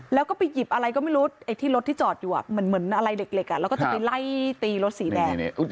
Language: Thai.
แล้วก็ไปหยิบอะไรก็ไม่รู้ไอ้ที่รถที่จอดอยู่เหมือนอะไรเด็กแล้วก็จะไปไล่ตีรถสีแดง